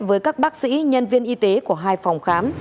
với các bác sĩ nhân viên y tế của hai phòng khám